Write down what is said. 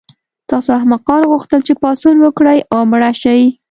تاسو احمقانو غوښتل چې پاڅون وکړئ او مړه شئ